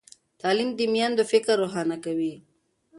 تعلیم د میندو فکر روښانه کوي۔